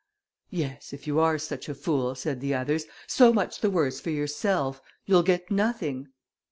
"Yes, if you are such a fool," said the others, "so much the worse for yourself you'll get nothing."